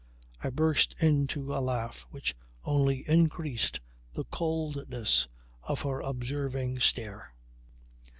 I burst into a laugh which only increased the coldness of her observing stare.